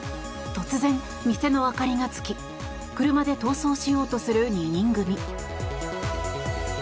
突然、店の明かりがつき車で逃走しようとする２人組。